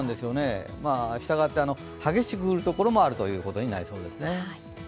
したがって激しく降る所もあるということですね。